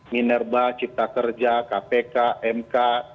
minerba cipta kerja kpk mk